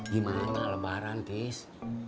gimana lebaran tis